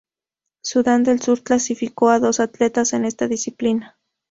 Sudán del Sur clasificó a dos atletas en esta disciplina.